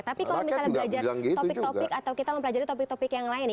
tapi kalau kita belajar topik topik yang lain